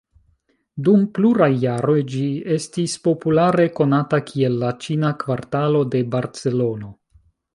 Dum pluraj jaroj ĝi estis populare konata kiel la Ĉina Kvartalo de Barcelono.